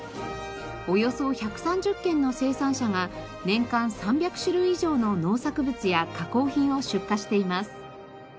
およそ１３０軒の生産者が年間３００種類以上の農作物や加工品を出荷しています。